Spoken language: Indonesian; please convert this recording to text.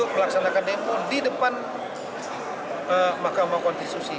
melaksanakan demo di depan mahkamah konstitusi